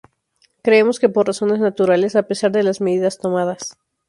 Creemos que por razones naturales, a pesar de las medidas tomadas.